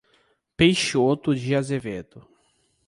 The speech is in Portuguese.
Peixoto de Azevedo